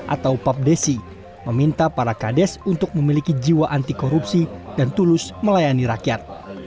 atau papdesi meminta para kades untuk memiliki jiwa anti korupsi dan tulus melayani rakyat